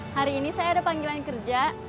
hari ini saya ada panggilan kerja